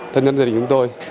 thân nhân gia đình chúng tôi